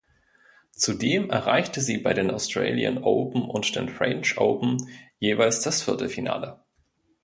Zudem erreichte sie bei den Australian Open und den French Open jeweils das Viertelfinale.